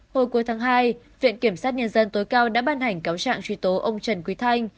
hồi cuối tháng hai viện kiểm sát nhân dân tối cao đã ban hành cáo trạng truy tố ông trần quý thanh